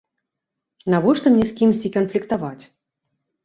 Навошта мне з кімсьці канфліктаваць?